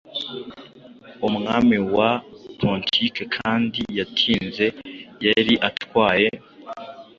Umwami wa Pontique kandi yatinze yari atwaye